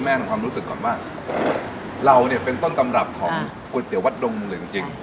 ถามคุณแม่ความรู้สึกก่อนว่าเราเนี่ยเป็นต้นกำลับของก๋วยเตี๋ยววัดดมเลยจริงจริง